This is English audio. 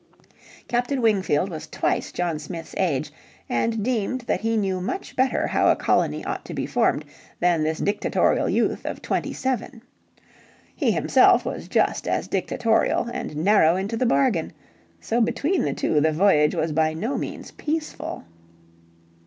Captain Wingfield was twice John Smith's age, and deemed that he knew much better how a colony ought to be formed than this dictatorial youth of twenty seven. He himself was just as dictatorial and narrow into the bargain. So between the two the voyage was by no means peaceful.